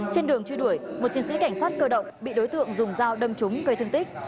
trên đường truy đuổi một chiến sĩ cảnh sát cơ động bị đối tượng dùng dao đâm trúng gây thương tích